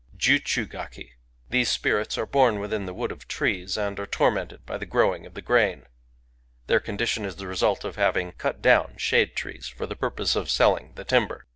^^ Ju ^hu gaku — These spirits are bom within the wood of trees, and are tormented by the growing of the grain. .•• Their condition is the result of having cut down shade trees for the purpose of selling the timber.